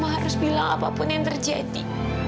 aku harus bilang apapun yang terjadi